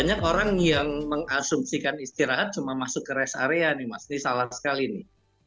banyak orang yang mengasumsikan istirahat cuma masuk ke rest area ini salah sekali